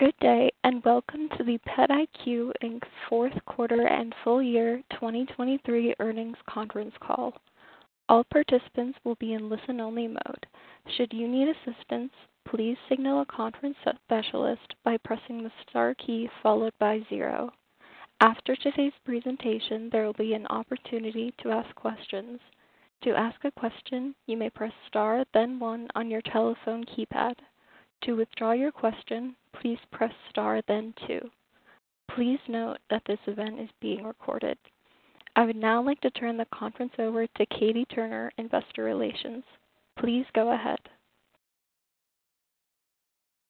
Good day, and welcome to the PetIQ, Inc.'s fourth quarter and full year 2023 earnings conference call. All participants will be in listen-only mode. Should you need assistance, please signal a conference specialist by pressing the star key followed by zero. After today's presentation, there will be an opportunity to ask questions. To ask a question, you may press star, then one on your telephone keypad. To withdraw your question, please press star, then two. Please note that this event is being recorded. I would now like to turn the conference over to Katie Turner, Investor Relations. Please go ahead.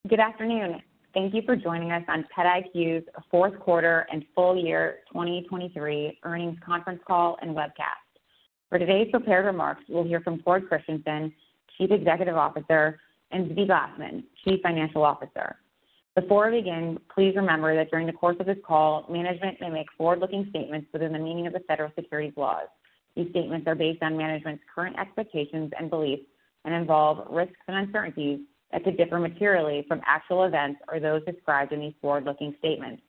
Good afternoon. Thank you for joining us on PetIQ's fourth quarter and full year 2023 earnings conference call and webcast. For today's prepared remarks, you will hear from Cord Christensen, Chief Executive Officer, and Zvi Glasman, Chief Financial Officer. Before we begin, please remember that during the course of this call, management may make forward-looking statements within the meaning of the federal securities laws. These statements are based on management's current expectations and beliefs and involve risks and uncertainties that could differ materially from actual events or those described in these forward-looking statements.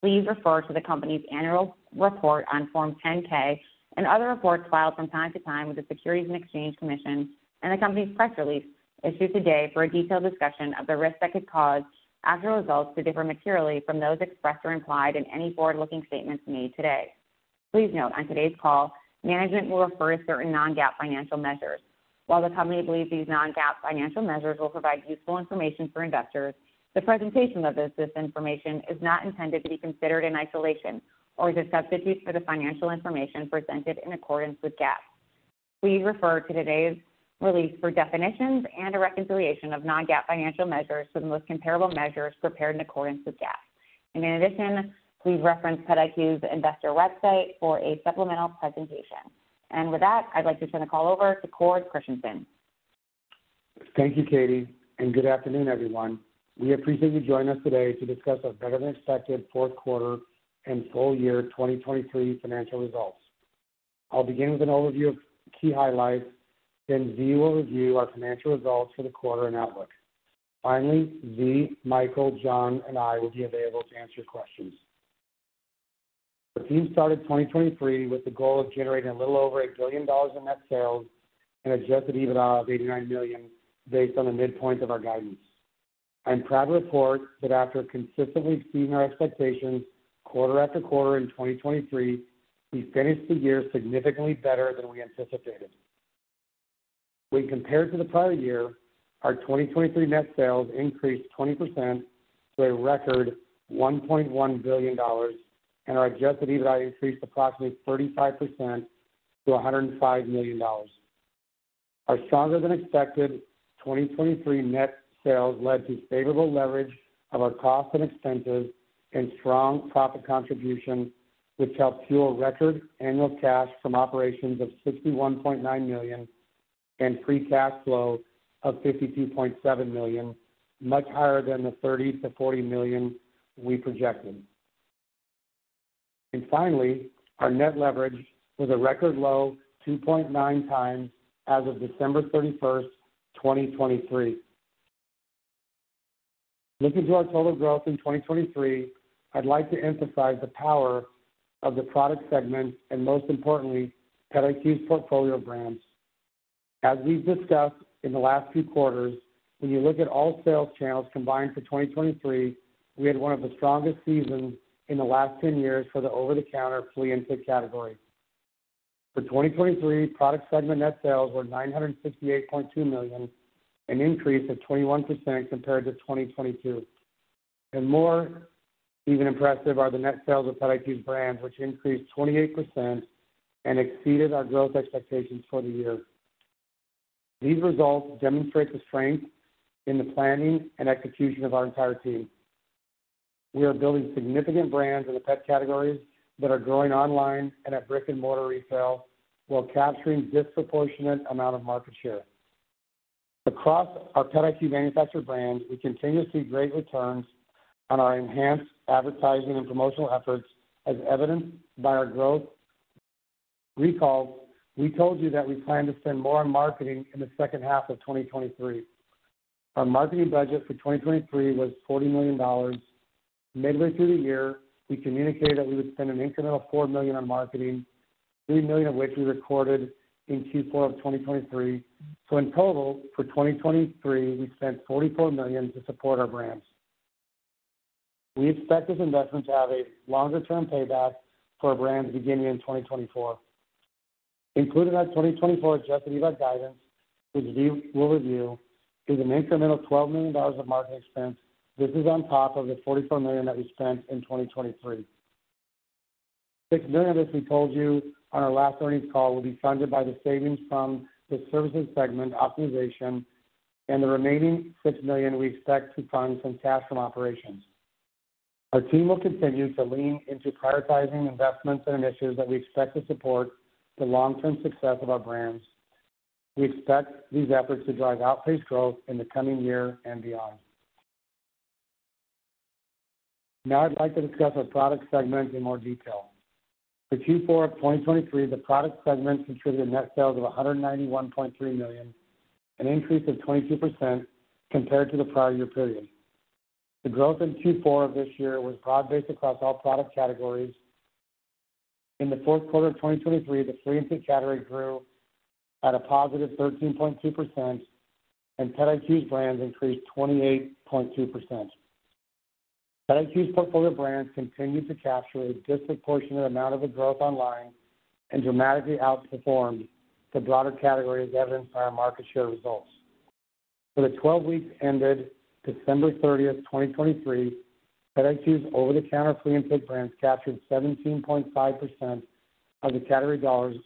Please refer to the company's annual report on Form 10-K and other reports filed from time to time with the Securities and Exchange Commission and the company's press release issued today for a detailed discussion of the risks that could cause actual results to differ materially from those expressed or implied in any forward-looking statements made today. Please note, on today's call, management will refer to certain non-GAAP financial measures. While the company believes these non-GAAP financial measures will provide useful information for investors, the presentation of this, this information is not intended to be considered in isolation or as a substitute for the financial information presented in accordance with GAAP. Please refer to today's release for definitions and a reconciliation of non-GAAP financial measures for the most comparable measures prepared in accordance with GAAP. In addition, please reference PetIQ's investor website for a supplemental presentation. With that, I'd like to turn the call over to Cord Christensen. Thank you, Katie, and good afternoon, everyone. We appreciate you joining us today to discuss our better-than-expected fourth quarter and full year 2023 financial results. I'll begin with an overview of key highlights, then Zvi will review our financial results for the quarter and outlook. Finally, Zvi, Michael, Jon, and I will be available to answer your questions. The team started 2023 with the goal of generating a little over $1 billion in net sales and adjusted EBITDA of $89 million, based on the midpoint of our guidance. I'm proud to report that after consistently exceeding our expectations quarter after quarter in 2023, we finished the year significantly better than we anticipated. When compared to the prior year, our 2023 net sales increased 20% to a record $1.1 billion, and our Adjusted EBITDA increased approximately 35% to $105 million. Our stronger-than-expected 2023 net sales led to favorable leverage of our costs and expenses and strong profit contribution, which helped fuel record annual cash from operations of $61.9 million and free cash flow of $52.7 million, much higher than the $30 to 40 million we projected. And finally, our net leverage was a record low 2.9 times as of 31 December 2023. Looking to our total growth in 2023, I'd like to emphasize the power of the product segment and most importantly, PetIQ's portfolio brands. As we've discussed in the last few quarters, when you look at all sales channels combined for 2023, we had one of the strongest seasons in the last 10 years for the over-the-counter flea and tick category. For 2023, product segment net sales were $968.2 million, an increase of 21% compared to 2022. Even more impressive are the net sales of PetIQ brands, which increased 28% and exceeded our growth expectations for the year. These results demonstrate the strength in the planning and execution of our entire team. We are building significant brands in the pet categories that are growing online and at brick-and-mortar retail, while capturing disproportionate amount of market share. Across our PetIQ manufacturer brands, we continue to see great returns on our enhanced advertising and promotional efforts, as evidenced by our growth. Recall, we told you that we plan to spend more on marketing in the second half of 2023. Our marketing budget for 2023 was $40 million. Midway through the year, we communicated that we would spend an incremental $4 million on marketing, $3 million of which we recorded in fourth quarter of 2023. In total, for 2023, we spent $44 million to support our brands. We expect this investment to have a longer-term payback for our brands beginning in 2024. Included in our 2024 Adjusted EBITDA guidance, which we will review, is an incremental $12 million of marketing expense. This is on top of the $44 million that we spent in 2023. $6 million of this, we told you on our last earnings call, will be funded by the savings from the services segment optimization, and the remaining $6 million we expect to fund from cash from operations. Our team will continue to lean into prioritizing investments and initiatives that we expect to support the long-term success of our brands. We expect these efforts to drive outpaced growth in the coming year and beyond. Now I'd like to discuss our product segment in more detail. For fourth quarter of 2023, the product segment contributed net sales of $191.3 million, an increase of 22% compared to the prior year period. The growth in fourth quarter of this year was broad-based across all product categories. In the fourth quarter of 2023, the flea and tick category grew at a positive 13.2%, and PetIQ's brands increased 28.2%. PetIQ's portfolio of brands continued to capture a disproportionate amount of the growth online and dramatically outperformed the broader category, as evidenced by our market share results. For the 12 weeks ended 30 December 2023, PetIQ's over-the-counter flea and tick brands captured 17.5% of the category dollars,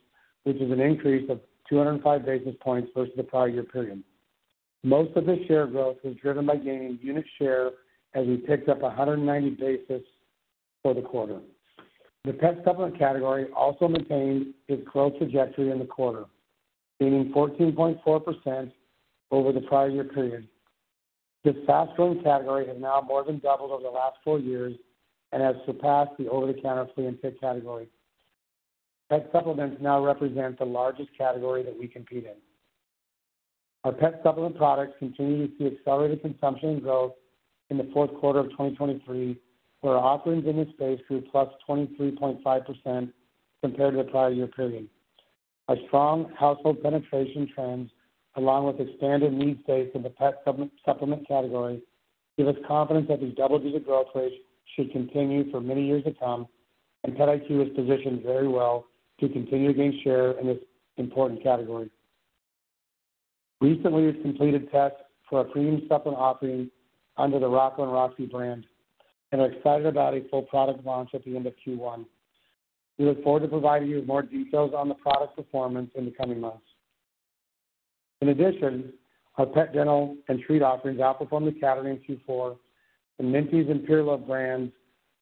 which is an increase of 205 basis points versus the prior year period. Most of this share growth was driven by gaining unit share, as we picked up 190 basis points for the quarter. The pet supplement category also maintained its growth trajectory in the quarter, gaining 14.4% over the prior year period. This fast-growing category has now more than doubled over the last four years and has surpassed the over-the-counter flea and tick category. Pet supplements now represent the largest category that we compete in. Our pet supplement products continued to see accelerated consumption and growth in the fourth quarter of 2023, where our offerings in this space grew plus 23.5% compared to the prior year period. Our strong household penetration trends, along with expanded need states in the pet supplement category, give us confidence that these double-digit growth rates should continue for many years to come, and PetIQ is positioned very well to continue to gain share in this important category. Recently, we've completed tests for our premium supplement offering under the Rocco and Roxie brand and are excited about a full product launch at the end of first quarter. We look forward to providing you with more details on the product performance in the coming months. In addition, our pet dental and treat offerings outperformed the category in fourth quarter, and Minties and Pūr Luv brands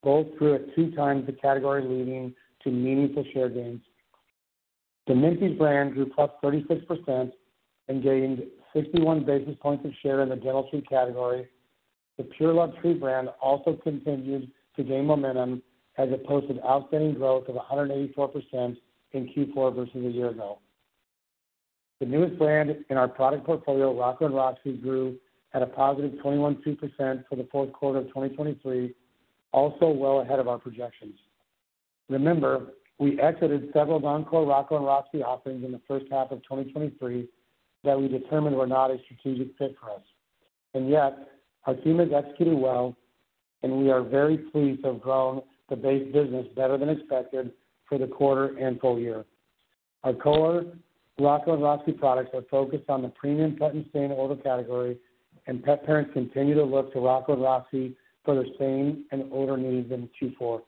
both grew at two times the category, leading to meaningful share gains. The Minties brand grew plus 36% and gained 61 basis points of share in the dental treat category. The Pūr Luv treat brand also continued to gain momentum as it posted outstanding growth of 184% in fourth quarter versus a year ago. The newest brand in our product portfolio, Rocco & Roxie, grew at a positive 21.2% for the fourth quarter of 2023, also well ahead of our projections. Remember, we exited several non-core Rocco & Roxie offerings in the first half of 2023 that we determined were not a strategic fit for us. And yet, our team is executing well, and we are very pleased to have grown the base business better than expected for the quarter and full year. Our core Rocco & Roxie products are focused on the premium pet and stain and odor category, and pet parents continue to look to Rocco & Roxie for their stain and odor needs in fourth quarter.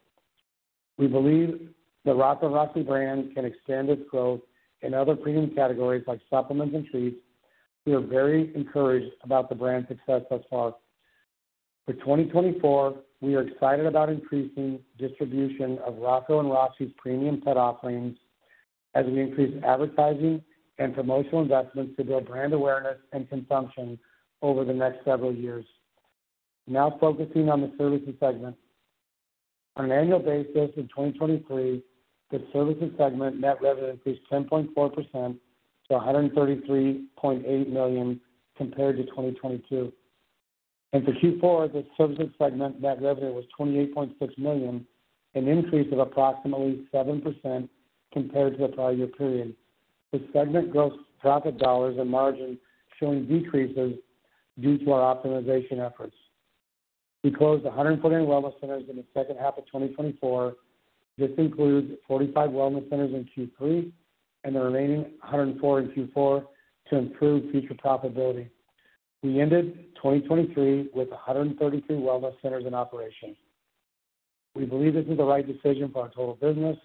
We believe the Rocco & Roxie brand can extend its growth in other premium categories like supplements and treats. We are very encouraged about the brand's success thus far. For 2024, we are excited about increasing distribution of Rocco & Roxie's premium pet offerings as we increase advertising and promotional investments to build brand awareness and consumption over the next several years. Now focusing on the services segment. On an annual basis in 2023, the services segment net revenue increased 10.4% to $133.8 million compared to 2022. For fourth quarter, the services segment net revenue was $28.6 million, an increase of approximately 7% compared to the prior year period. The segment gross profit dollars and margin showing decreases due to our optimization efforts. We closed 148 wellness centers in the second half of 2024. This includes 45 wellness centers in third quarter and the remaining 104 in fourth quarter to improve future profitability. We ended 2023 with 132 wellness centers in operation. We believe this is the right decision for our total business.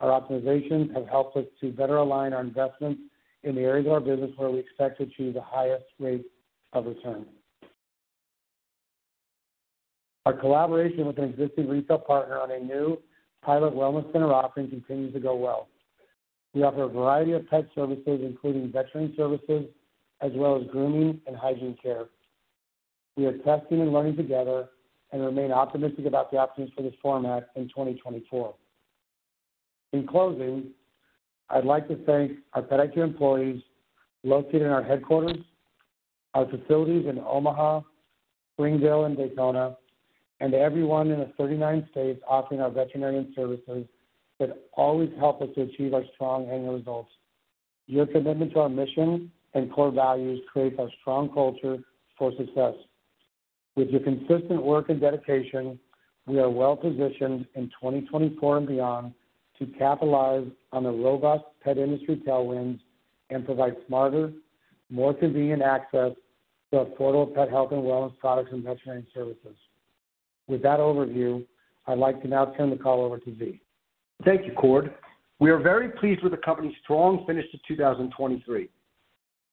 Our optimizations have helped us to better align our investments in the areas of our business where we expect to achieve the highest rate of return. Our collaboration with an existing retail partner on a new pilot wellness center offering continues to go well. We offer a variety of pet services, including veterinary services, as well as grooming and hygiene care. We are testing and learning together and remain optimistic about the options for this format in 2024. In closing, I'd like to thank our PetIQ employees located in our headquarters, our facilities in Omaha, Springville, and Daytona, and everyone in the 39 states offering our veterinary services that always help us to achieve our strong annual results. Your commitment to our mission and core values creates a strong culture for success. With your consistent work and dedication, we are well positioned in 2024 and beyond to capitalize on the robust pet industry tailwinds and provide smarter, more convenient access to affordable pet health and wellness products and veterinary services. With that overview, I'd like to now turn the call over to Zvi. Thank you, Cord. We are very pleased with the company's strong finish to 2023.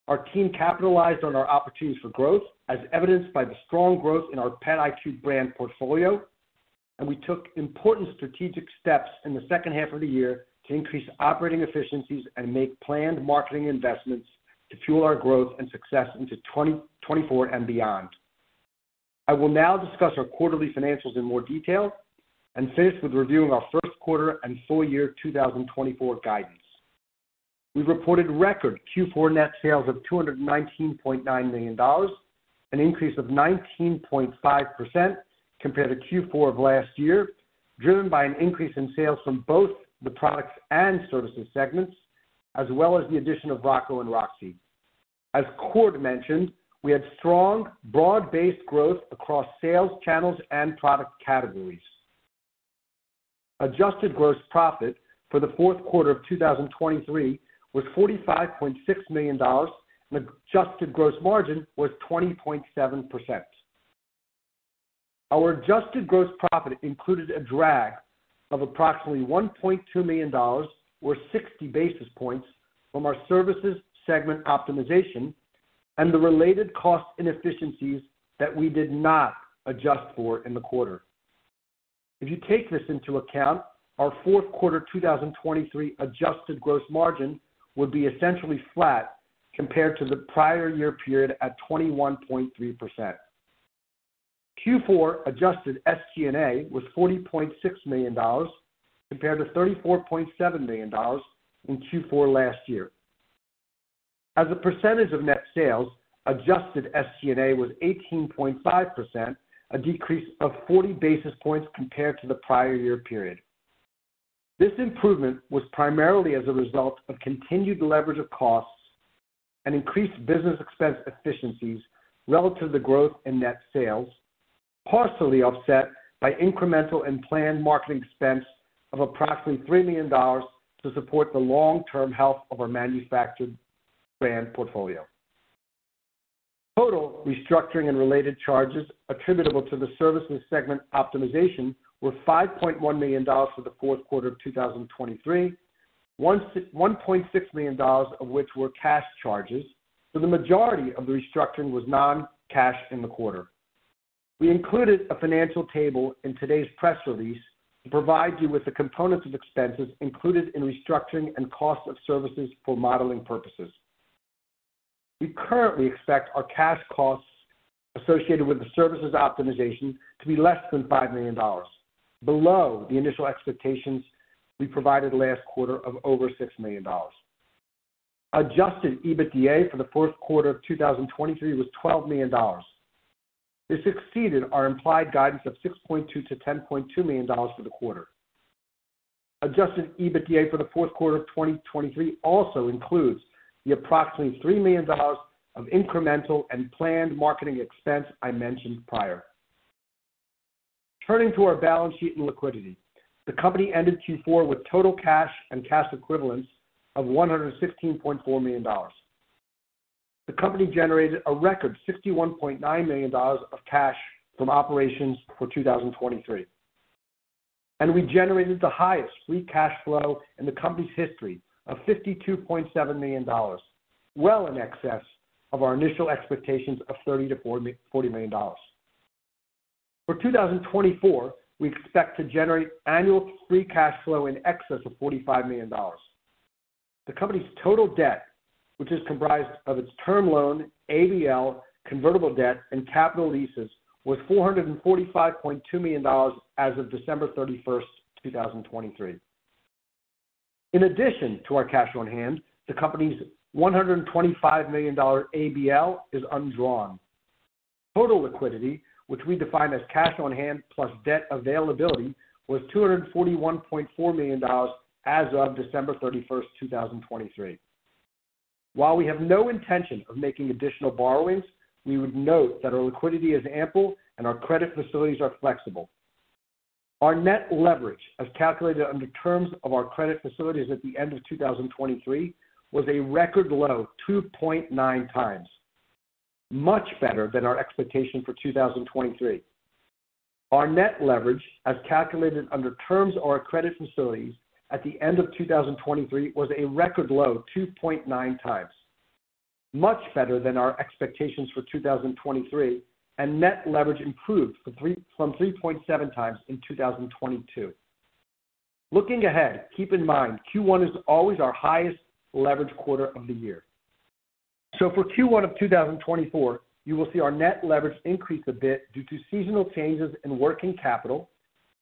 Our team capitalized on our opportunities for growth, as evidenced by the strong growth in our PetIQ brand portfolio... and we took important strategic steps in the second half of the year to increase operating efficiencies and make planned marketing investments to fuel our growth and success into 2024 and beyond. I will now discuss our quarterly financials in more detail, and finish with reviewing our first quarter and full year 2024 guidance. We reported record fourth quarter net sales of $219.9 million, an increase of 19.5% compared to fourth quarter of last year, driven by an increase in sales from both the products and services segments, as well as the addition of Rocco & Roxie. As Cord mentioned, we had strong, broad-based growth across sales channels and product categories. Adjusted gross profit for the fourth quarter of 2023 was $45.6 million, and adjusted gross margin was 20.7%. Our adjusted gross profit included a drag of approximately $1.2 million, or 60 basis points, from our services segment optimization and the related cost inefficiencies that we did not adjust for in the quarter. If you take this into account, our fourth quarter, 2023 adjusted gross margin would be essentially flat compared to the prior year period at 21.3%. fourth quarter adjusted SG&A was $40.6 million, compared to $34.7 million in fourth quarter last year. As a percentage of net sales, adjusted SG&A was 18.5%, a decrease of 40 basis points compared to the prior year period. This improvement was primarily as a result of continued leverage of costs and increased business expense efficiencies relative to the growth in net sales, partially offset by incremental and planned marketing expense of approximately $3 million to support the long-term health of our manufactured brand portfolio. Total restructuring and related charges attributable to the services segment optimization were $5.1 million for the fourth quarter of 2023, $1.6 million of which were cash charges, so the majority of the restructuring was non-cash in the quarter. We included a financial table in today's press release to provide you with the components of expenses included in restructuring and cost of services for modeling purposes. We currently expect our cash costs associated with the services optimization to be less than $5 million, below the initial expectations we provided last quarter of over $6 million. Adjusted EBITDA for the fourth quarter of 2023 was $12 million. This exceeded our implied guidance of $6.2 to 10.2 million for the quarter. Adjusted EBITDA for the fourth quarter of 2023 also includes the approximately $3 million of incremental and planned marketing expense I mentioned prior. Turning to our balance sheet and liquidity. The company ended fourth quarter with total cash and cash equivalents of $116.4 million. The company generated a record $61.9 million of cash from operations for 2023. We generated the highest free cash flow in the company's history of $52.7 million, well in excess of our initial expectations of $30 to 40 million. For 2024, we expect to generate annual free cash flow in excess of $45 million. The company's total debt, which is comprised of its term loan, ABL, convertible debt, and capital leases, was $445.2 million as of 31 December 2023. In addition to our cash on hand, the company's $125 million ABL is undrawn. Total liquidity, which we define as cash on hand plus debt availability, was $241.4 million as of 31 December 2023. While we have no intention of making additional borrowings, we would note that our liquidity is ample and our credit facilities are flexible. Our net leverage, as calculated under terms of our credit facilities at the end of 2023, was a record low 2.9 times, much better than our expectation for 2023. Our net leverage, as calculated under terms of our credit facilities at the end of 2023, was a record low 2.9 times, much better than our expectations for 2023, and net leverage improved from 3.7 times in 2022. Looking ahead, keep in mind, first quarter is always our highest leverage quarter of the year. So for first quarter of 2024, you will see our net leverage increase a bit due to seasonal changes in working capital,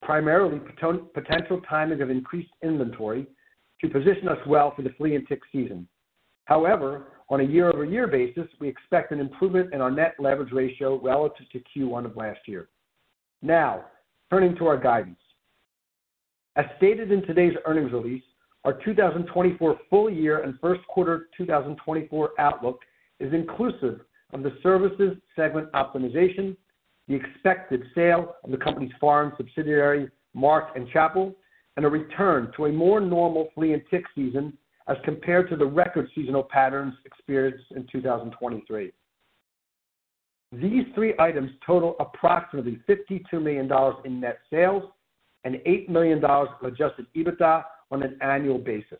primarily potential timing of increased inventory, to position us well for the flea and tick season. However, on a year-over-year basis, we expect an improvement in our net leverage ratio relative to first quarter of last year. Now, turning to our guidance. As stated in today's earnings release, our 2024 full year and first quarter 2024 outlook is inclusive of the services segment optimization, the expected sale of the company's foreign subsidiary, Mark & Chappell, and a return to a more normal flea and tick season as compared to the record seasonal patterns experienced in 2023. These three items total approximately $52 million in net sales and $8 million of Adjusted EBITDA on an annual basis.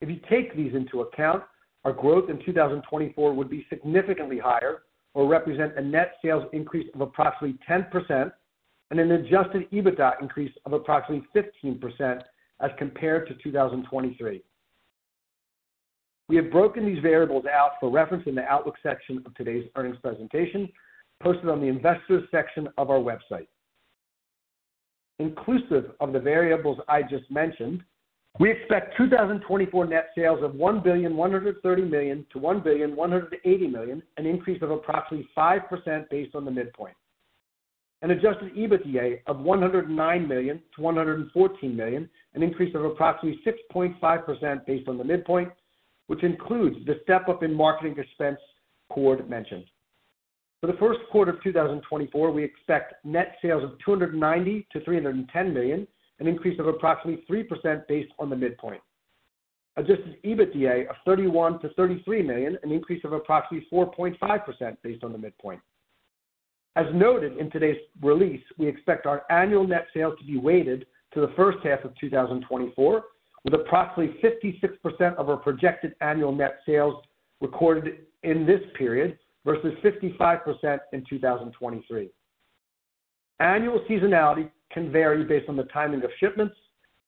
If you take these into account, our growth in 2024 would be significantly higher or represent a net sales increase of approximately 10% and an Adjusted EBITDA increase of approximately 15% as compared to 2023. We have broken these variables out for reference in the Outlook section of today's earnings presentation, posted on the Investors section of our website. Inclusive of the variables I just mentioned, we expect 2024 net sales of $1.13 billion to 1.18 billion, an increase of approximately 5% based on the midpoint. An Adjusted EBITDA of $109 to 114 million, an increase of approximately 6.5% based on the midpoint, which includes the step-up in marketing expense Cord mentioned. For the first quarter of 2024, we expect net sales of $290 to 310 million, an increase of approximately 3% based on the midpoint. Adjusted EBITDA of $31 to 33 million, an increase of approximately 4.5% based on the midpoint. As noted in today's release, we expect our annual net sales to be weighted to the first half of 2024, with approximately 56% of our projected annual net sales recorded in this period versus 55% in 2023. Annual seasonality can vary based on the timing of shipments,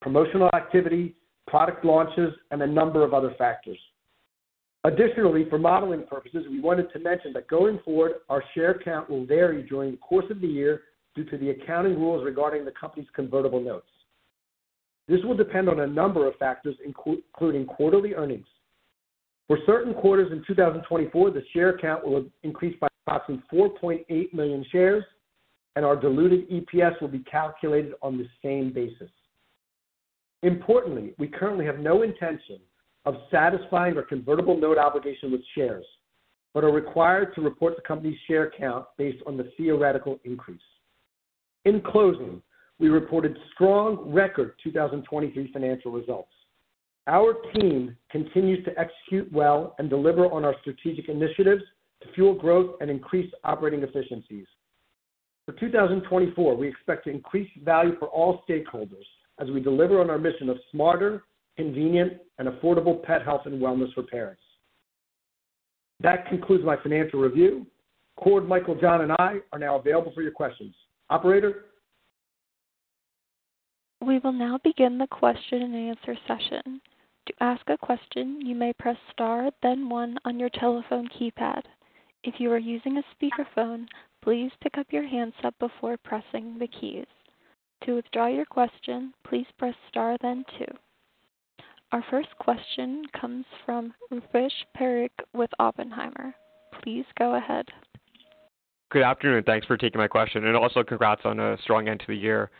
promotional activity, product launches, and a number of other factors. Additionally, for modeling purposes, we wanted to mention that going forward, our share count will vary during the course of the year due to the accounting rules regarding the company's convertible notes. This will depend on a number of factors, including quarterly earnings. For certain quarters in 2024, the share count will increase by approximately 4.8 million shares, and our diluted EPS will be calculated on the same basis. Importantly, we currently have no intention of satisfying our convertible note obligation with shares, but are required to report the company's share count based on the theoretical increase. In closing, we reported strong record 2023 financial results. Our team continues to execute well and deliver on our strategic initiatives to fuel growth and increase operating efficiencies. For 2024, we expect to increase value for all stakeholders as we deliver on our mission of smarter, convenient, and affordable pet health and wellness for parents. That concludes my financial review. Cord, Michael, Jon, and I are now available for your questions. Operator? We will now begin the question-and-answer session. To ask a question, you may press star, then one on your telephone keypad. If you are using a speakerphone, please pick up your handset before pressing the keys. To withdraw your question, please press star then two. Our first question comes from Rupesh Parikh with Oppenheimer. Please go ahead. Good afternoon. Thanks for taking my question, and also congrats on a strong end to the year.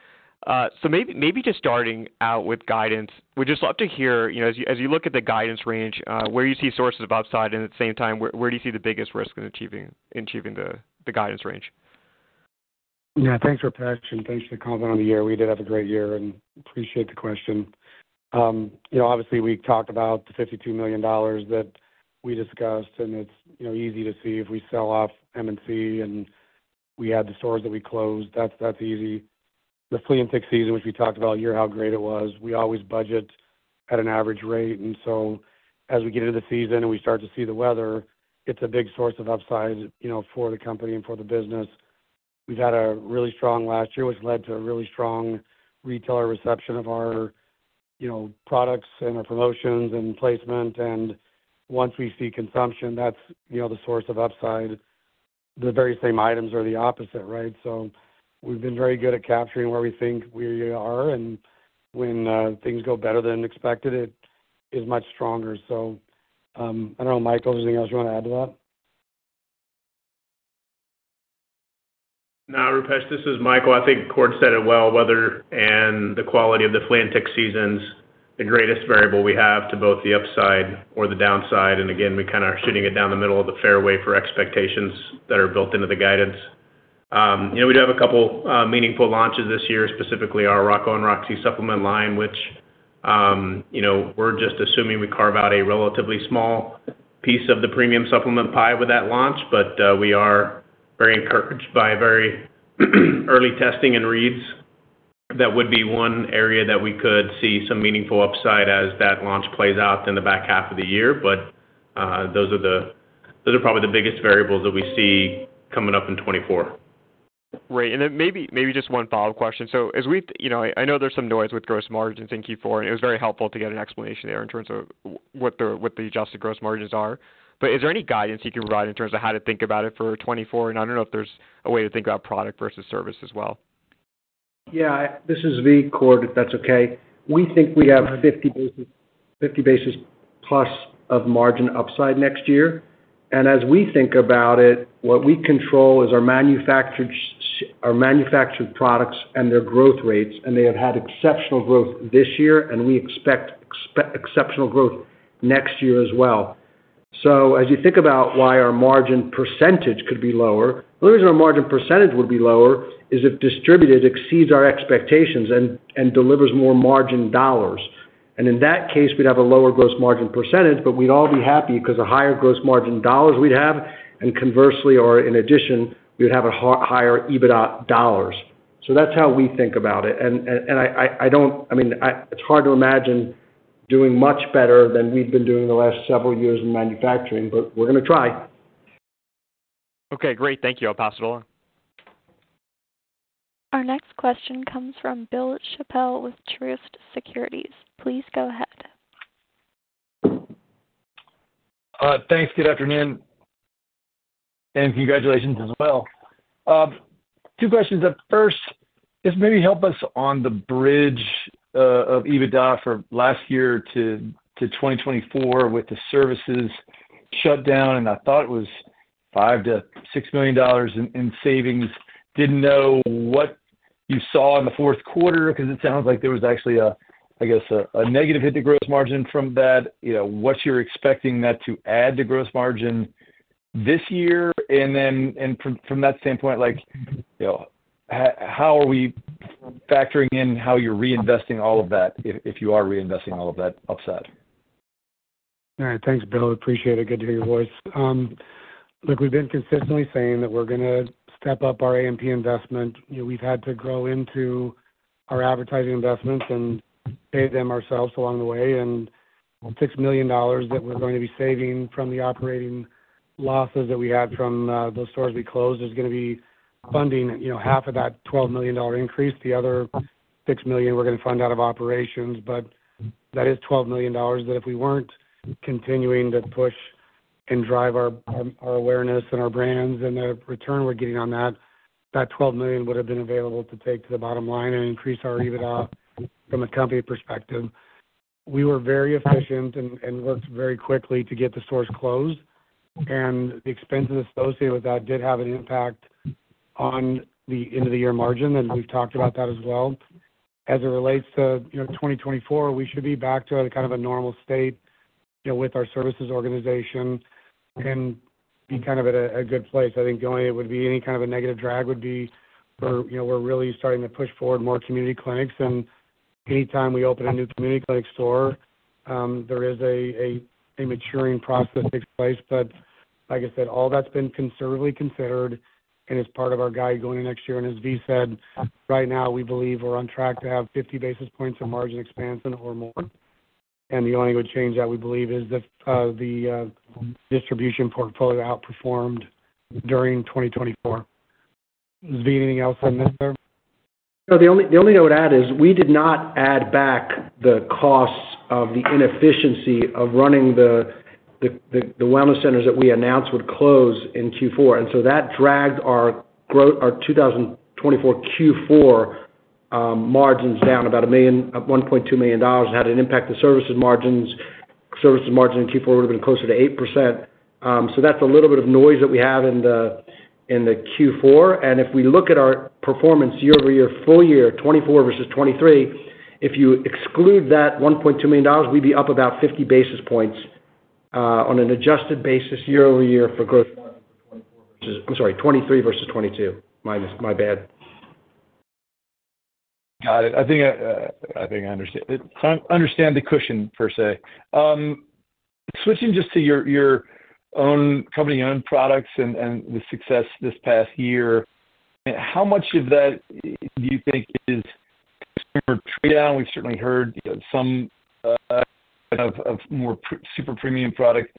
So maybe, maybe just starting out with guidance, we'd just love to hear, you know, as you, as you look at the guidance range, where you see sources of upside, and at the same time, where, where do you see the biggest risk in achieving, in achieving the, the guidance range? Yeah, thanks, Rupesh, and thanks for the comment on the year. We did have a great year, and appreciate the question. You know, obviously, we talked about the $52 million that we discussed, and it's, you know, easy to see if we sell off M&C, and we had the stores that we closed. That's, that's easy. The flea and tick season, which we talked about here, how great it was. We always budget at an average rate, and so as we get into the season and we start to see the weather, it's a big source of upside, you know, for the company and for the business. We've had a really strong last year, which led to a really strong retailer reception of our, you know, products and our promotions and placement, and once we see consumption, that's, you know, the source of upside. The very same items are the opposite, right? So, we've been very good at capturing where we think we are, and when things go better than expected, it is much stronger. So, I don't know, Michael, anything else you want to add to that? No, Rupesh, this is Michael. I think Cord said it well. Weather and the quality of the flea and tick seasons, the greatest variable we have to both the upside or the downside, and again, we kinda are shooting it down the middle of the fairway for expectations that are built into the guidance. You know, we do have a couple, meaningful launches this year, specifically our Rocco and Roxie supplement line, which, you know, we're just assuming we carve out a relatively small piece of the premium supplement pie with that launch, but we are very encouraged by very early testing and reads. That would be one area that we could see some meaningful upside as that launch plays out in the back half of the year. But those are probably the biggest variables that we see coming up in 2024. Great. And then maybe, maybe just one follow-up question. So as we, you know, I know there's some noise with gross margins in fourth quarter, and it was very helpful to get an explanation there in terms of what the adjusted gross margins are. But is there any guidance you can provide in terms of how to think about it for 2024? And I don't know if there's a way to think about product versus service as well. Yeah, this is Zvi, Cord, if that's okay. We think we have 50 basis points, 50 basis points plus of margin upside next year. As we think about it, what we control is our manufactured products and their growth rates, and they have had exceptional growth this year, and we expect exceptional growth next year as well. So, as you think about why our margin percentage could be lower, the reason our margin percentage would be lower is if distributed exceeds our expectations and delivers more margin dollars. And in that case, we'd have a lower gross margin percentage, but we'd all be happy because the higher gross margin dollars we'd have, and conversely, or in addition, we'd have a higher EBITDA dollars. So that's how we think about it. And I don't, I mean, it's hard to imagine doing much better than we've been doing the last several years in manufacturing, but we're gonna try. Okay, great. Thank you, I'll pass. Go on. Our next question comes from Bill Chappell with Truist Securities. Please go ahead. Thanks. Good afternoon, and congratulations as well. Two questions. First, just maybe help us on the bridge of EBITDA for last year to 2024 with the services shut down, and I thought it was $5 to 6 million in savings. Didn't know what you saw in the fourth quarter, 'cause it sounds like there was actually, I guess, a negative hit to gross margin from that. You know, what you're expecting that to add to gross margin this year, and then, from that standpoint, like, you know, how are we factoring in how you're reinvesting all of that, if you are reinvesting all of that upside? All right, thanks, Bill. Appreciate it. Good to hear your voice. Look, we've been consistently saying that we're gonna step up our A&P investment. You know, we've had to grow into our advertising investments and pay them ourselves along the way. And the $6 million that we're going to be saving from the operating losses that we had from those stores we closed is gonna be funding, you know, half of that $12 million increase. The other $6 million, we're gonna fund out of operations. But that is $12 million, that if we weren't continuing to push and drive our our awareness and our brands and the return we're getting on that, that $12 million would have been available to take to the bottom line and increase our EBITDA from a company perspective. We were very efficient and worked very quickly to get the stores closed, and the expenses associated with that did have an impact on the end-of-the-year margin, and we've talked about that as well. As it relates to, you know, 2024, we should be back to a kind of a normal state, you know, with our services organization and be kind of at a good place. I think the only it would be any kind of a negative drag would be for, you know, we're really starting to push forward more community clinics, and anytime we open a new community clinic store, there is a maturing process that takes place. But like I said, all that's been considerably considered and is part of our guide going into next year. As Zvi said, right now, we believe we're on track to have 50 basis points of margin expansion or more, and the only thing that would change that, we believe, is the distribution portfolio outperformed during 2024. Zvi, anything else on that there? No, the only, the only thing I would add is we did not add back the costs of the inefficiency of running the wellness centers that we announced would close in fourth quarter. And so that dragged our growth, our 2024 fourth quarter margins down about $1 million, $1.2 million, and had an impact to services margins. Services margin in fourth quarter would have been closer to 8%. So that's a little bit of noise that we have in the fourth quarter. And if we look at our performance year-over-year, full year, 2024 versus 2023, if you exclude that $1.2 million, we'd be up about 50 basis points on an adjusted basis year-over-year for growth. I'm sorry, 2023 versus 2022. My, my bad. Got it. I think, I think I understand. understand the cushion, per se. switching just to your, your own, company-owned products and, and the success this past year, how much of that do you think is consumer trade-down? We've certainly heard, you know, some, of, of more super premium product,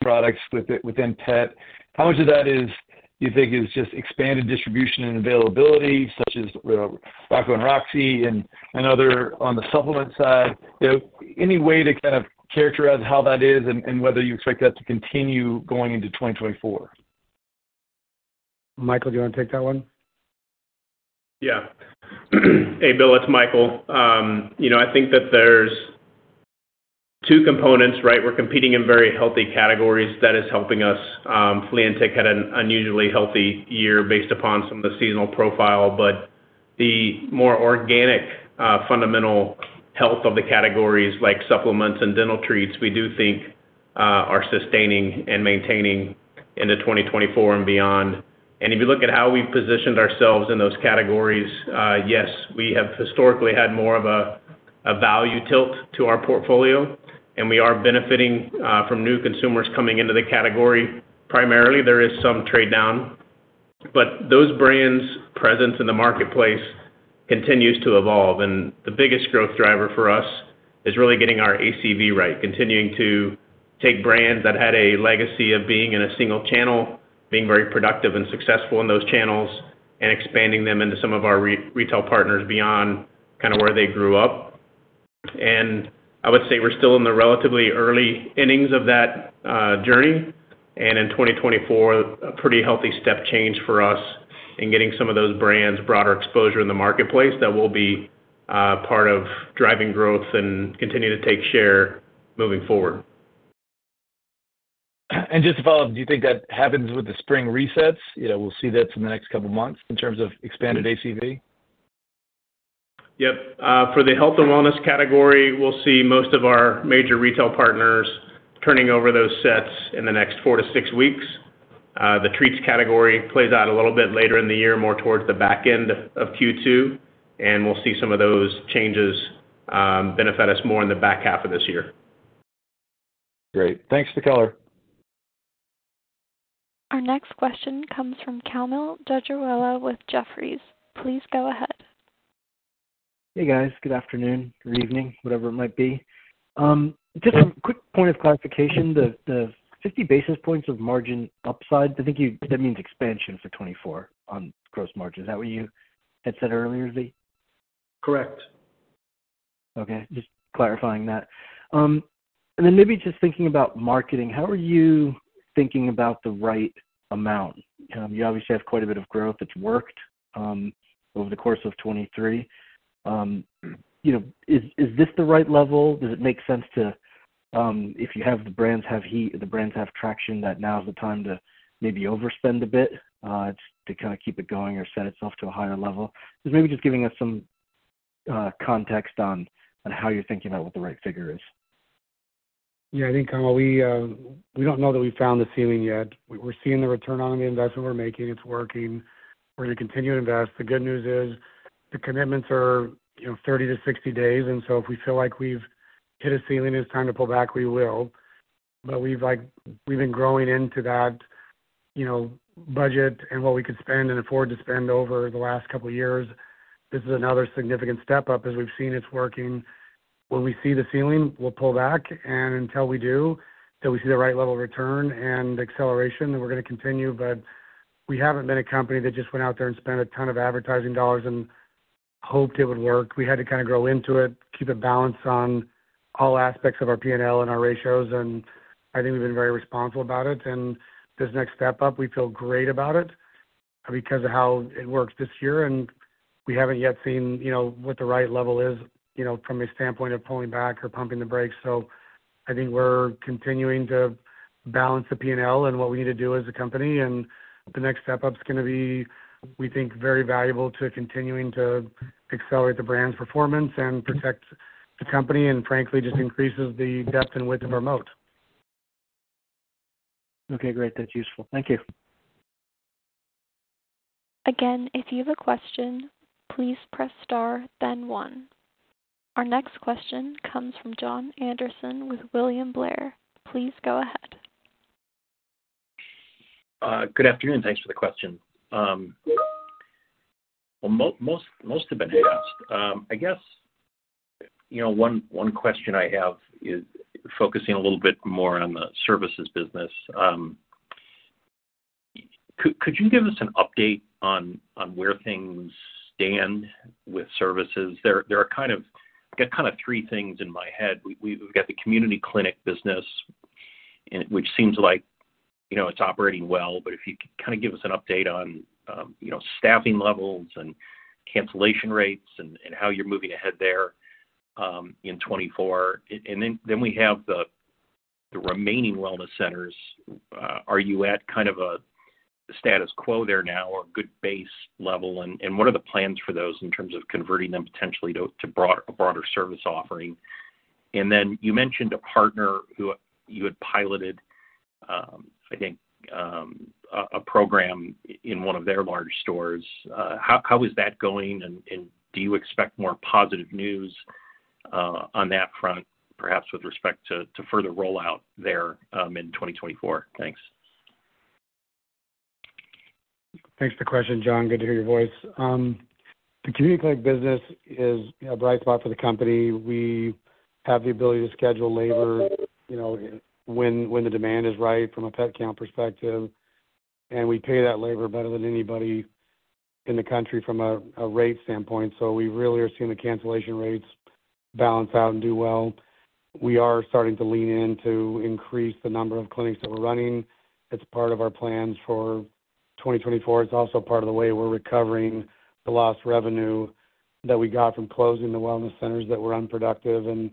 products with it within Pet. How much of that is, do you think is just expanded distribution and availability, such as, Rocco and Roxie and, and other on the supplement side? You know, any way to kind of characterize how that is and, and whether you expect that to continue going into 2024? Michael, do you want to take that one? Yeah. Hey, Bill, it's Michael. You know, I think that there's two components, right? We're competing in very healthy categories. That is helping us. Flea and tick had an unusually healthy year based upon some of the seasonal profile. But the more organic, fundamental health of the categories, like supplements and dental treats, we do think are sustaining and maintaining into 2024 and beyond. And if you look at how we've positioned ourselves in those categories, yes, we have historically had more of a value tilt to our portfolio, and we are benefiting from new consumers coming into the category. Primarily, there is some trade-down, but those brands' presence in the marketplace continues to evolve, and the biggest growth driver for us is really getting our ACV right, continuing to take brands that had a legacy of being in a single channel, being very productive and successful in those channels, and expanding them into some of our retail partners beyond kind of where they grew up. I would say we're still in the relatively early innings of that journey, and in 2024, a pretty healthy step change for us in getting some of those brands broader exposure in the marketplace. That will be part of driving growth and continuing to take share moving forward. Just to follow up, do you think that happens with the spring resets? You know, we'll see that in the next couple of months in terms of expanded ACV? Yep. For the health and wellness category, we'll see most of our major retail partners turning over those sets in the next four to six weeks. The treats category plays out a little bit later in the year, more towards the back end of second quarter, and we'll see some of those changes benefit us more in the back half of this year. Great. Thanks for the color. Our next question comes from Kaumil Gajrawala with Jefferies. Please go ahead. Hey, guys. Good afternoon, good evening, whatever it might be. Just a quick point of clarification. The 50 basis points of margin upside, I think you-- that means expansion for 2024 on gross margin. Is that what you had said earlier, Zvi? Correct. Okay, just clarifying that. Then maybe just thinking about marketing, how are you thinking about the right amount? You obviously have quite a bit of growth that's worked over the course of 2023. You know, is this the right level? Does it make sense to, if you have the brands have heat, the brands have traction, that now is the time to maybe overspend a bit, just to kind of keep it going or set itself to a higher level? Just maybe giving us some context on how you're thinking about what the right figure is. Yeah, I think, Kaumil, we don't know that we've found the ceiling yet. We're seeing the return on the investment we're making. It's working. We're going to continue to invest. The good news is the commitments are, you know, 30 to 60 days, and so if we feel like we've hit a ceiling and it's time to pull back, we will. But we've like, we've been growing into that, you know, budget and what we could spend and afford to spend over the last couple of years. This is another significant step up, as we've seen it's working. When we see the ceiling, we'll pull back, and until we do, till we see the right level of return and acceleration, then we're going to continue. But we haven't been a company that just went out there and spent a ton of advertising dollars and hoped it would work. We had to kind of grow into it, keep it balanced on all aspects of our PNL and our ratios, and I think we've been very responsible about it. And this next step up, we feel great about it because of how it works this year, and we haven't yet seen, you know, what the right level is, you know, from a standpoint of pulling back or pumping the brakes. So, I think we're continuing to balance the PNL and what we need to do as a company, and the next step up is going to be, we think, very valuable to continuing to accelerate the brand's performance and protect the company, and frankly, just increases the depth and width of our moat. Okay, great. That's useful. Thank you. Again, if you have a question, please press star, then one. Our next question comes from Jon Andersen with William Blair. Please go ahead. Good afternoon. Thanks for the question. Well, most have been asked. I guess, you know, one question I have is focusing a little bit more on the services business. Could you give us an update on where things stand with services? There are kind of three things in my head. We've got the community clinic business, which seems like, you know, it's operating well. But if you could kind of give us an update on you know, staffing levels and cancellation rates and how you're moving ahead there in 2024. And then we have the remaining wellness centers. Are you at kind of a status quo there now or good base level? What are the plans for those in terms of converting them potentially to a broader service offering? And then you mentioned a partner who you had piloted I think a program in one of their large stores. How is that going? And do you expect more positive news on that front, perhaps with respect to further rollout there in 2024? Thanks. Thanks for the question, Jon. Good to hear your voice. The community clinic business is a bright spot for the company. We have the ability to schedule labor, you know, when, when the demand is right from a pet count perspective, and we pay that labor better than anybody in the country from a, a rate standpoint. So, we really are seeing the cancellation rates balance out and do well. We are starting to lean in to increase the number of clinics that we're running. It's part of our plans for 2024. It's also part of the way we're recovering the lost revenue that we got from closing the wellness centers that were unproductive and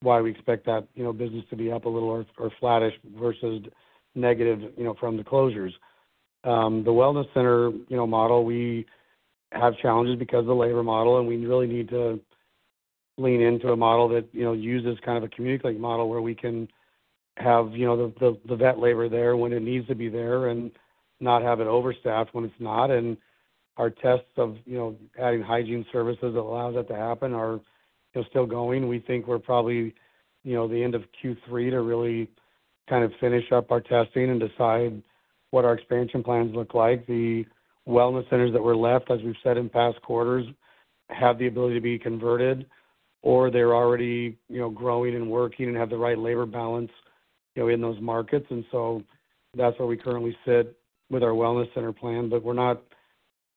why we expect that, you know, business to be up a little or, or flattish versus negative, you know, from the closures. The wellness center, you know, model, we have challenges because of the labor model, and we really need to lean into a model that, you know, uses kind of a community clinic model, where we can have, you know, the vet labor there when it needs to be there and not have it overstaffed when it's not. And our tests of, you know, adding hygiene services that allow that to happen are, you know, still going. We think we're probably, you know, the end of third quarter to really kind of finish up our testing and decide what our expansion plans look like. The wellness centers that were left, as we've said in past quarters, have the ability to be converted, or they're already, you know, growing and working and have the right labor balance, you know, in those markets. So that's where we currently sit with our wellness center plan. But we're not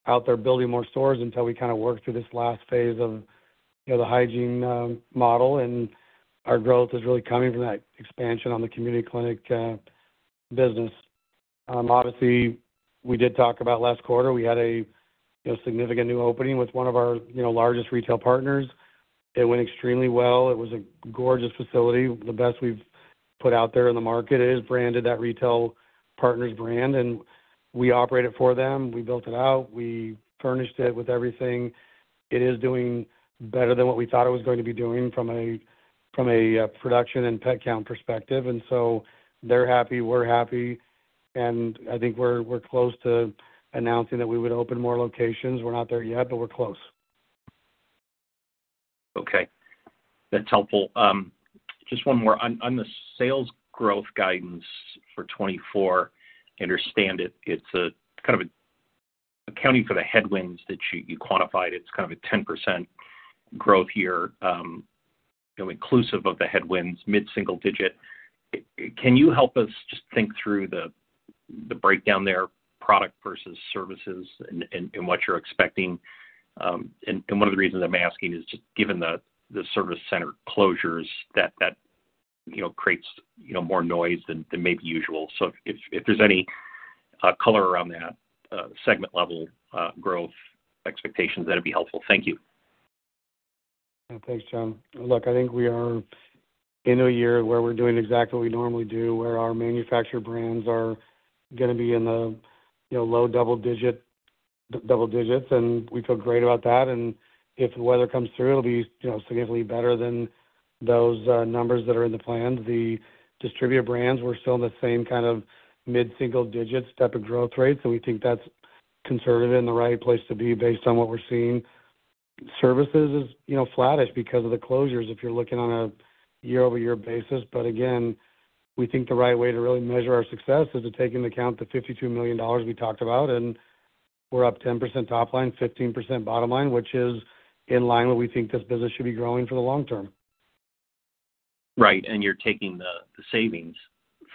out there building more stores until we kind of work through this last phase of, you know, the hygiene model. Our growth is really coming from that expansion on the community clinic business. Obviously, we did talk about last quarter. We had, you know, significant new opening with one of our, you know, largest retail partners. It went extremely well. It was a gorgeous facility, the best we've put out there in the market. It is branded that retail partner's brand, and we operate it for them. We built it out; we furnished it with everything. It is doing better than what we thought it was going to be doing from a production and pet count perspective, and so they're happy, we're happy, and I think we're close to announcing that we would open more locations. We're not there yet, but we're close. Okay, that's helpful. Just one more. On the sales growth guidance for 2024, I understand it's a kind of accounting for the headwinds that you quantified. It's kind of a 10% growth year, you know, inclusive of the headwinds, mid-single digit. Can you help us just think through the breakdown there, product versus services and what you're expecting? And one of the reasons I'm asking is just given the service center closures that you know creates more noise than maybe usual. So, if there's any color around that, segment level growth expectations, that'd be helpful. Thank you. Yeah. Thanks, John. Look, I think we are in a year where we're doing exactly what we normally do, where our manufacturer brands are gonna be in the, you know, low double digits, and we feel great about that. And if the weather comes through, it'll be, you know, significantly better than those numbers that are in the plan. The distributor brands, we're still in the same kind of mid-single digits type of growth rate, so we think that's conservative and the right place to be based on what we're seeing. Services is, you know, flattish because of the closures, if you're looking on a year-over-year basis. But again, we think the right way to really measure our success is to take into account the $52 million we talked about, and we're up 10% top line, 15% bottom line, which is in line with we think this business should be growing for the long term. Right. And you're taking the savings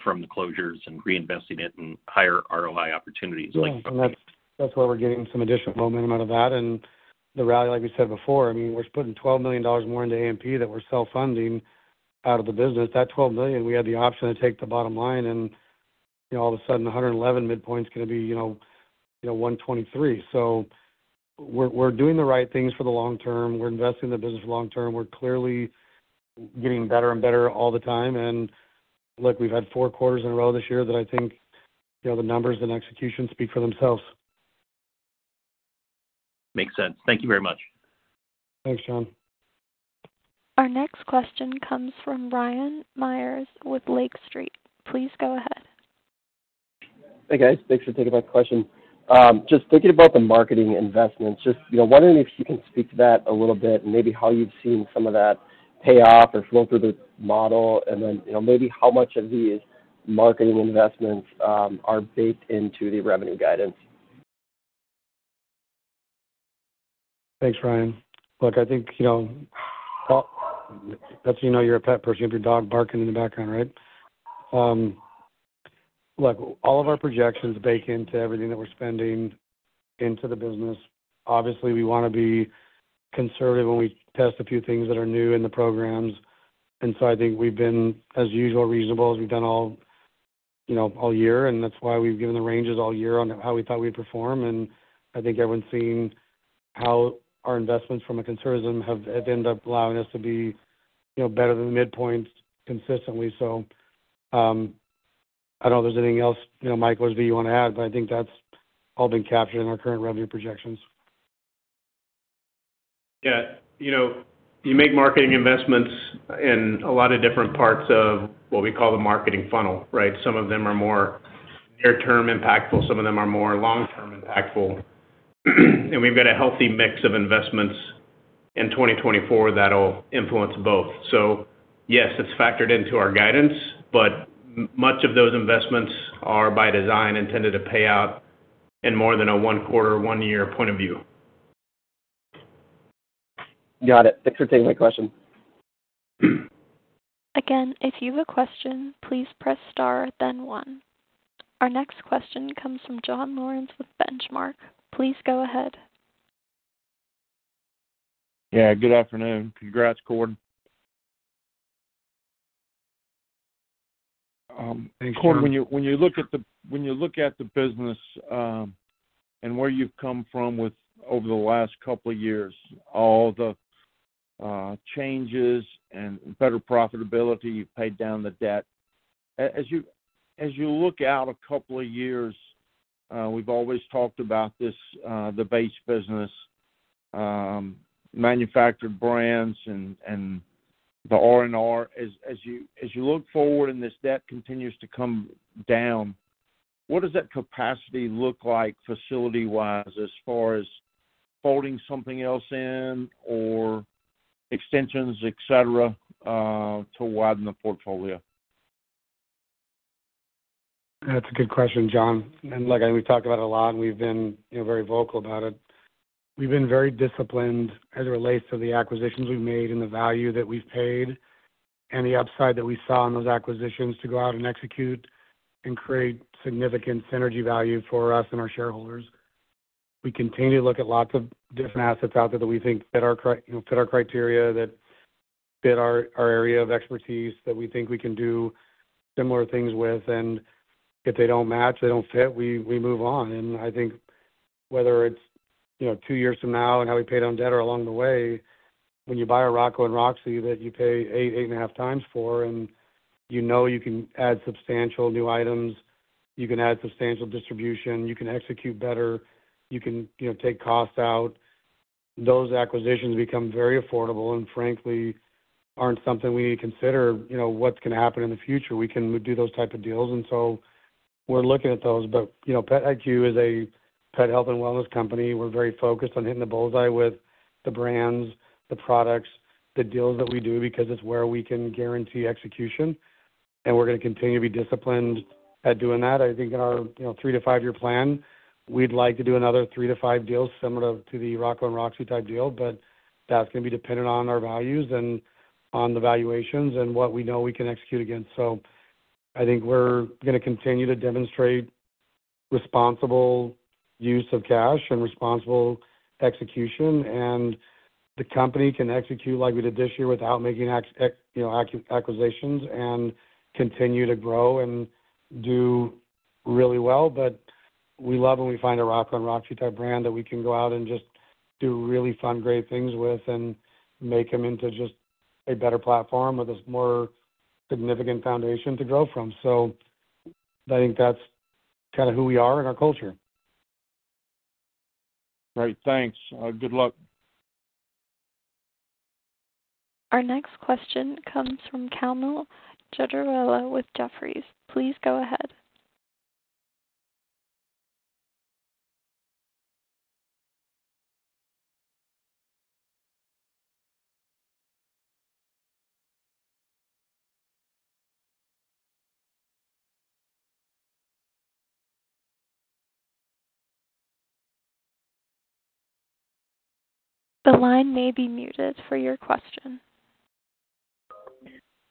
from the closures and reinvesting it in higher ROI opportunities, like... Yeah, and that's, that's where we're getting some additional momentum out of that. And the rally, like we said before, I mean, we're putting $12 million more into A&P that we're self-funding out of the business. That $12 million, we had the option to take the bottom line and, you know, all of a sudden, 111 midpoint is gonna be, you know, you know, 123. So we're, we're doing the right things for the long term. We're investing in the business for long term. We're clearly getting better and better all the time, and look, we've had four quarters in a row this year that I think, you know, the numbers and execution speak for themselves. Makes sense. Thank you very much. Thanks, Jon. Our next question comes from Ryan Meyers with Lake Street. Please go ahead. Hey, guys. Thanks for taking my question. Just thinking about the marketing investments, just, you know, wondering if you can speak to that a little bit and maybe how you've seen some of that pay off or flow through the model. And then, you know, maybe how much of these marketing investments are baked into the revenue guidance? Thanks, Ryan. Look, I think, you know, well, that's how you know you're a pet person, you have your dog barking in the background, right? Look, all of our projections bake into everything that we're spending into the business. Obviously, we wanna be conservative when we test a few things that are new in the programs, and so I think we've been, as usual, reasonable as we've done all, you know, all year, and that's why we've given the ranges all year on how we thought we'd perform. I think everyone's seen how our investments from a conservatism have ended up allowing us to be, you know, better than the midpoints consistently. So, I don't know if there's anything else, you know, Mike or Zvi you want to add, but I think that's all been captured in our current revenue projections. Yeah. You know, you make marketing investments in a lot of different parts of what we call the marketing funnel, right? Some of them are more near-term impactful, some of them are more long-term impactful. We've got a healthy mix of investments in 2024 that'll influence both. So yes, it's factored into our guidance, but much of those investments are, by design, intended to pay out in more than a one quarter, one year point of view. Got it. Thanks for taking my question. Again, if you have a question, please press star, then one. Our next question comes from Jon Lawrence with Benchmark. Please go ahead. Yeah, good afternoon. Congrats, Cord. Thank you. Cord, when you look at the business and where you've come from with over the last couple of years, all the changes and better profitability, you've paid down the debt. As you look out a couple of years, we've always talked about this, the base business, manufactured brands and the R&R. As you look forward and this debt continues to come down, what does that capacity look like facility-wise as far as folding something else in or extensions, et cetera, to widen the portfolio? That's a good question, Jon. And look, we've talked about it a lot, and we've been, you know, very vocal about it. We've been very disciplined as it relates to the acquisitions we've made and the value that we've paid and the upside that we saw in those acquisitions to go out and execute and create significant synergy value for us and our shareholders. We continue to look at lots of different assets out there that we think fit our, you know, fit our criteria, that fit our, our area of expertise, that we think we can do similar things with, and if they don't match, they don't fit, we, we move on. I think whether it's, you know, two years from now and how we paid down debt or along the way, when you buy a Rocco & Roxie that you pay eight to 8.5 times for, and you know you can add substantial new items, you can add substantial distribution, you can execute better, you can, you know, take costs out, those acquisitions become very affordable. And frankly, aren't something we need to consider, you know, what's gonna happen in the future. We can do those type of deals. We're looking at those, but, you know, PetIQ is a pet health and wellness company. We're very focused on hitting the bullseye with the brands, the products, the deals that we do, because it's where we can guarantee execution, and we're gonna continue to be disciplined at doing that. I think in our, you know, three to five-year plan, we'd like to do another three to five deals similar to, to the Rocco and Roxie type deal, but that's gonna be dependent on our values and on the valuations and what we know we can execute against. So, I think we're gonna continue to demonstrate responsible use of cash and responsible execution, and the company can execute like we did this year, without making you know, acquisitions and continue to grow and do really well. But we love when we find a Rocco and Roxie type brand that we can go out and just do really fun, great things with and make them into just a better platform with a more significant foundation to grow from. So, I think that's kind of who we are and our culture. Great, thanks. Good luck. Our next question comes from Kaumil Gajrawala with Jefferies. Please go ahead. The line may be muted for your question.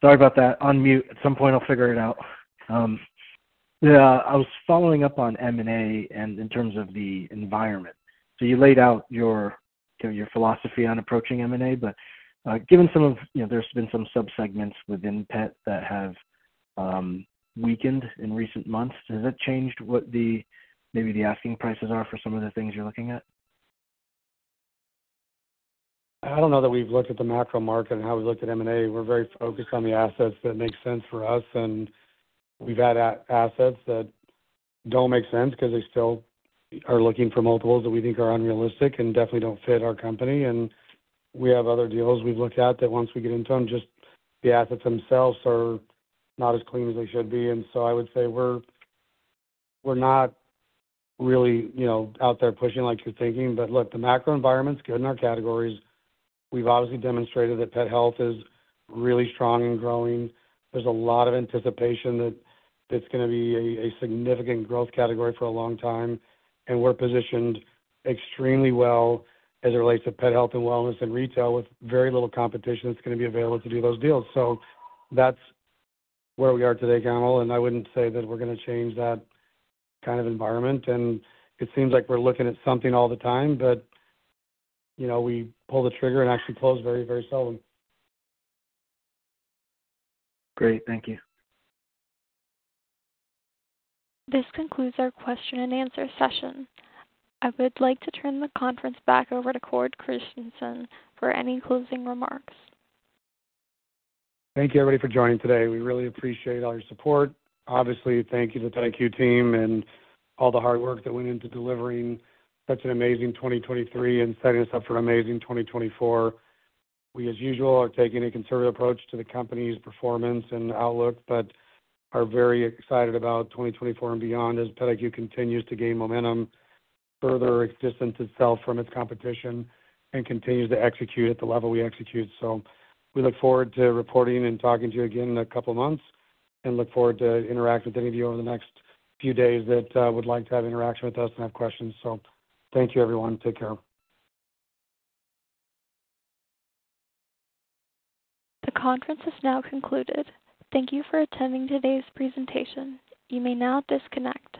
Sorry about that, on mute. At some point, I'll figure it out. Yeah, I was following up on M&A and in terms of the environment. So, you laid out your, you know, your philosophy on approaching M&A, but, given some of, you know, there's been some subsegments within pet that have weakened in recent months. Has that changed what the, maybe the asking prices are for some of the things you're looking at? I don't know that we've looked at the macro market and how we looked at M&A. We're very focused on the assets that make sense for us, and we've had assets that don't make sense because they still are looking for multiples that we think are unrealistic and definitely don't fit our company. And we have other deals we've looked at that once we get into them, just the assets themselves are not as clean as they should be. And so, I would say we're not really, you know, out there pushing like you're thinking. But look, the macro environment's good in our categories. We've obviously demonstrated that pet health is really strong and growing. There's a lot of anticipation that it's gonna be a significant growth category for a long time, and we're positioned extremely well as it relates to pet health and wellness and retail, with very little competition that's gonna be available to do those deals. So that's where we are today, Kaumil, and I wouldn't say that we're gonna change that kind of environment, and it seems like we're looking at something all the time, but, you know, we pull the trigger and actually close very, very seldom. Great. Thank you. This concludes our question-and-answer session. I would like to turn the conference back over to Cord Christensen for any closing remarks. Thank you, everybody, for joining today. We really appreciate all your support. Obviously, thank you to PetIQ team and all the hard work that went into delivering such an amazing 2023 and setting us up for an amazing 2024. We, as usual, are taking a conservative approach to the company's performance and outlook, but are very excited about 2024 and beyond, as PetIQ continues to gain momentum, further distance itself from its competition, and continues to execute at the level we execute. So, we look forward to reporting and talking to you again in a couple of months and look forward to interacting with any of you over the next few days that would like to have interaction with us and have questions. So, thank you, everyone. Take care. The conference is now concluded. Thank you for attending today's presentation. You may now disconnect.